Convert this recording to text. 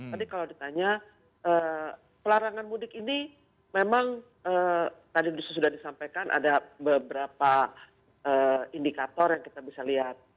tapi kalau ditanya pelarangan mudik ini memang tadi sudah disampaikan ada beberapa indikator yang kita bisa lihat